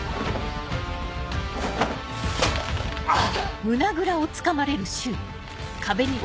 あっ。